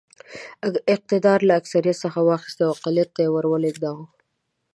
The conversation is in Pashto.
اقتدار له اکثریت څخه واخیست او اقلیت ته یې ور ولېږداوه.